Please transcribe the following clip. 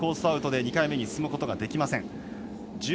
アウトで２回目に進むことができません。